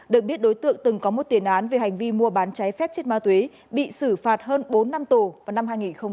được biết đối tượng từng có một tiền án về hành vi mua bán cháy phép chất ma túy bị xử phạt hơn bốn năm tù vào năm hai nghìn một mươi